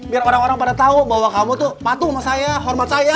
biar orang orang pada tahu bahwa kamu tuh patuh sama saya hormat saya